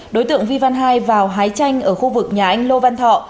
đối tượng vi văn hai vào hái tranh ở khu vực nhà anh lô văn thọ